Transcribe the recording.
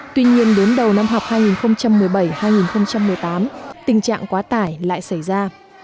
tuy nhiên đến đầu năm học hai nghìn một mươi bảy hai nghìn một mươi tám tình trạng quá tải lại xảy ra